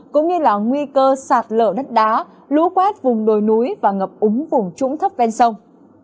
cũng như là nguy cơ sạt lở đất đá lũ quét vùng đồi núi và ngập úng vùng trũng thấp ven sông